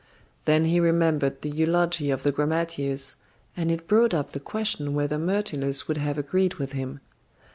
Then he remembered the eulogy of the grammateus, and it brought up the question whether Myrtilus would have agreed with him.